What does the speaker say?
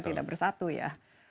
tidak bersatu ya